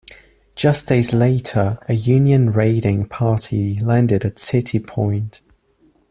Just days later, a Union raiding party landed at City Point.